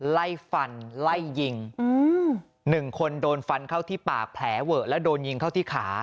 ไล่ฟันไล่ยิง๑คนโดนฟันเข้าที่ปากแผลเวอะแล้วโดนยิงเข้าที่ขา